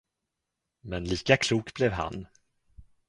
Men lika klok blev han.